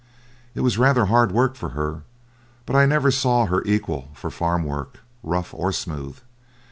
It was rather hard work for her, but I never saw her equal for farm work rough or smooth.